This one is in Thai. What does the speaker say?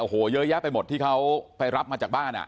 โอ้โหเยอะแยะไปหมดที่เขาไปรับมาจากบ้าน